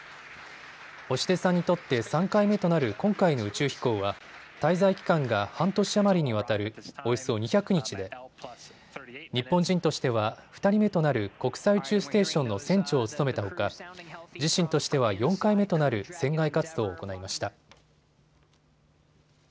星出さんにとって３回目となる今回の宇宙飛行は滞在期間が半年余りにわたるおよそ２００日で日本人としては２人目となる国際宇宙ステーションの船長を務めたほか自身としては４回目となる船外活動を行いました。